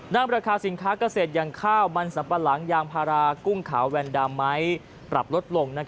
ราคาสินค้าเกษตรอย่างข้าวมันสัมปะหลังยางพารากุ้งขาวแวนดาไม้ปรับลดลง